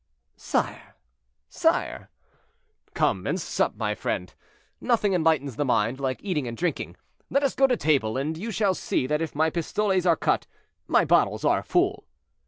"Sire, sire!" "Come and sup, my friend, nothing enlightens the mind like eating and drinking. Let us go to table, and you shall see that if my pistoles are cut, my bottles are full."